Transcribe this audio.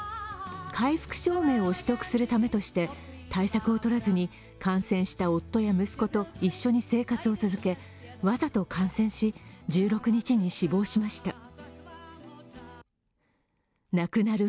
回復証明を取得するためとして対策を取らずに感染した夫や息子と一緒に生活を続け、わざと感染し１６日に死亡しました。